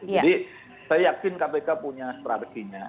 jadi saya yakin kpk punya strateginya